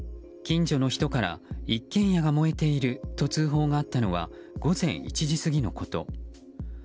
近所の人から一軒家が燃えていると通報があったのは午前１時過ぎのこと。